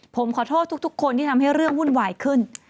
ผมขอโทษทุกคนที่ทำให้เรื่องวุ่นวายขึ้น